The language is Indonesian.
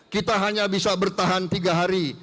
kita hanya bisa bertahan tiga hari